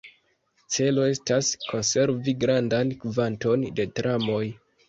Celo estas, konservi grandan kvanton de tramoj.